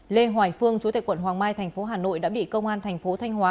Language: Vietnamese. lê hoài phương chủ tịch quận hoàng mai tp hà nội đã bị công an tp thanh hóa